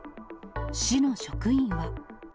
市の職員は。